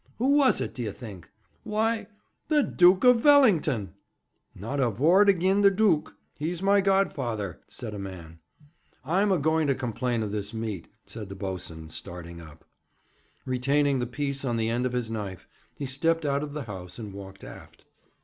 Who was it, d'ye think? Why, the Dook o' Vellington.' 'Not a vord agin the Dook. He's my godfather,' said a man. 'I'm a going to complain of this meat,' said the boatswain, starting up. Retaining the piece on the end of his knife, he stepped out of the house, and walked aft.